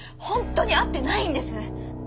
本当に会ってないんです！